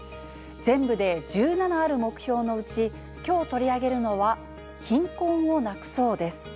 全部で１７ある目標のうち、きょう取り上げるのは、貧困をなくそうです。